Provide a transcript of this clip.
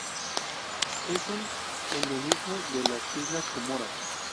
Es un endemismo de las Islas Comoras.